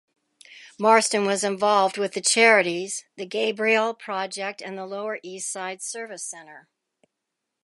Marston was involved with the charities The Gabriel Project and Lower Eastside Service Center.